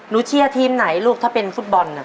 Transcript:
รู้เชี่ยทีมไหนลูกถ้าเป็นฟุตบอล